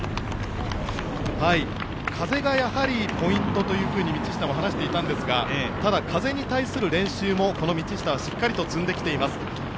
風がやはりポイントと道下も話していたんですがただ、風に対する練習も、この道下はしっかりと積んできています。